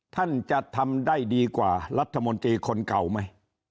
ท่านจะทำได้ดีกว่ารัฐมนตรีคนเก่าไหม